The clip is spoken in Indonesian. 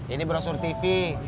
ini brosur tv